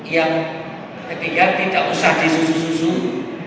yang ketiga tidak usah disusun